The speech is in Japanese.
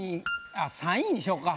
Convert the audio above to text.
あっ３位にしようか。